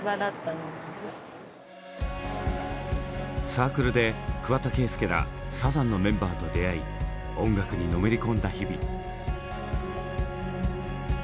サークルで桑田佳祐らサザンのメンバーと出会い音楽にのめり込んだ日々。